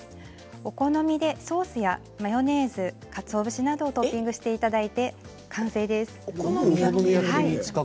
お好みでソースやマヨネーズかつお節などをトッピングしていただいて完成です。